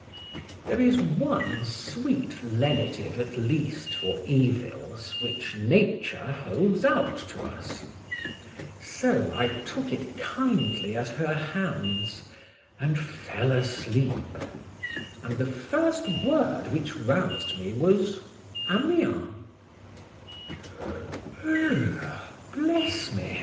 There is one sweet lenitive at least for evils, which Nature holds out to us: so I took it kindly at her hands, and fell asleep; and the first word which roused me was Amiens. —Bless me!